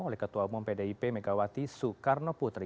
oleh ketua umum pdip megawati soekarno putri